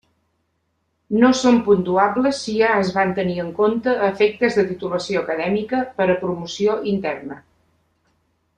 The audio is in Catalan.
No són puntuables si ja es van tenir en compte a efectes de titulació acadèmica per a promoció interna.